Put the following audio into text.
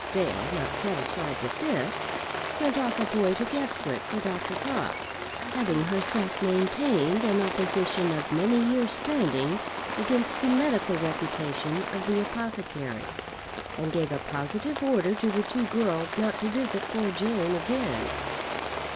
Dale, not satisfied with this, sent off a boy to Guestwick for Dr. Crofts, having herself maintained an opposition of many years' standing against the medical reputation of the apothecary, and gave a positive order to the two girls not to visit poor Jane again.